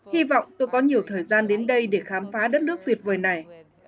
hy vọng tôi có nhiều thời gian đến đây để khám phá đất nước tuyệt vời này